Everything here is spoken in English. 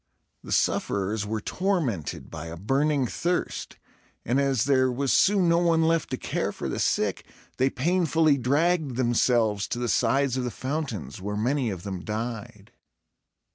The sufferers were tormented by a burning thirst; and as there was soon no one left to care for the sick, they painfully dragged themselves to the sides of the fountains, where many of them died.